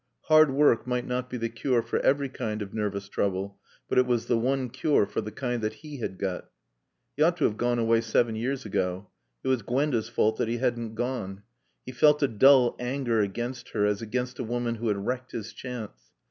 Hard work might not be the cure for every kind of nervous trouble, but it was the one cure for the kind that he had got. He ought to have gone away seven years ago. It was Gwenda's fault that he hadn't gone. He felt a dull anger against her as against a woman who had wrecked his chance.